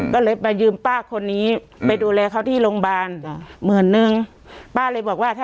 ก็เลยมายืมป้าคนนี้ไปดูแลเขาที่โรงพยาบาลจ้ะหมื่นนึงป้าเลยบอกว่าถ้า